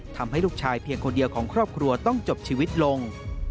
ทำให้ลูกชายเพียงคนเดียวของครอบครัวต้องจบชีวิตลง